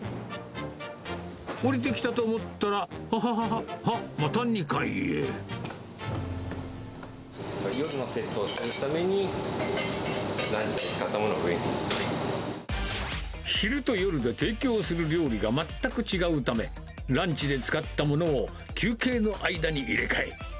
下りてきたと思ったら、夜のセットをするために、昼と夜で提供する料理が全く違うため、ランチで使ったものを、休憩の間に入れ替え。